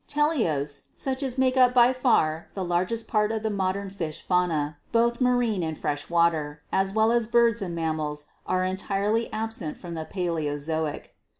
Teleosts, such as make up by far the largest part of the modern fish fauna, both marine and fresh water, as well as birds and mammals, are entirely absent from the Paleozoic.